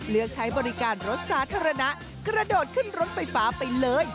เลือกใช้บริการรถสาธารณะกระโดดขึ้นรถไฟฟ้าไปเลย